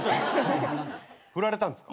振られたんですか？